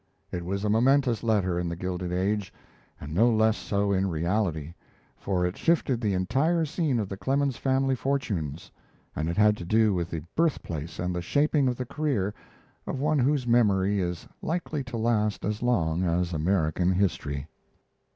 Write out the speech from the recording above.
It was a momentous letter in The Gilded Age, and no less so in reality, for it shifted the entire scene of the Clemens family fortunes, and it had to do with the birthplace and the shaping of the career of one whose memory is likely to last as long as American history.